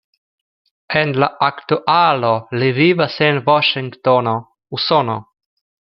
En la aktualo li vivas en Vaŝingtono, Usono.